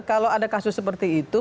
kalau ada kasus seperti itu